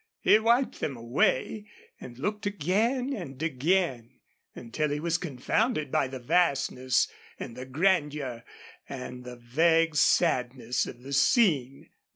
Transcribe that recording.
He wiped them away and looked again and again, until he was confounded by the vastness and the grandeur and the vague sadness of the scene.